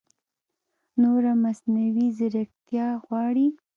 نوره مصنعوي ځېرکتیا غواړي